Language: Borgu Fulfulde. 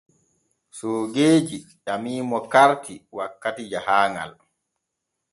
Soogeeji ƴamimo karti wakkati jahaaŋal.